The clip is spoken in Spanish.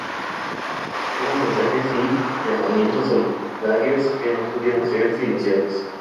Aparecieron mensajes y llamamientos solidarios que no pudieron ser silenciados.